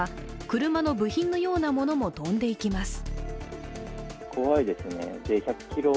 車の部品のようなものも飛んでいきます。